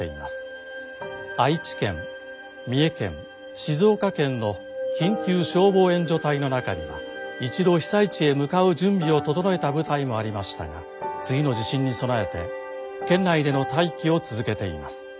愛知県三重県静岡県の緊急消防援助隊の中には一度被災地へ向かう準備を整えた部隊もありましたが次の地震に備えて県内での待機を続けています。